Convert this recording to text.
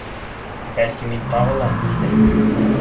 Бәлки, мин тағы ла ниҙер...